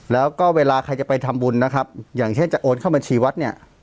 แล้วก็เวลาใครจะไปทำบุญนะครับอย่างเช่นจะโอนเข้าบัญชีวัดเนี่ย